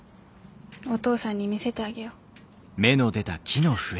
お父さんに見せてあげよ。